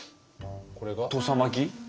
土佐巻き？